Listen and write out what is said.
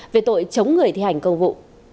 về tội chống người thi hành công vụ